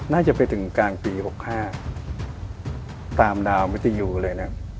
น่าจะไปถึงกลางปี๖๕ตามดาวมิตยูเลยนะ